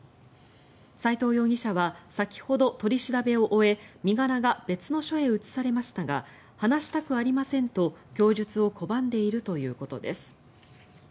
斎藤容疑者は先ほど取り調べを終え身柄が別の署へ移されましたが話したくありませんと、供述を拒んでいるということです。